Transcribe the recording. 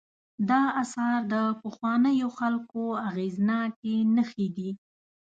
دا آثار د پخوانیو خلکو اغېزناکې نښې دي.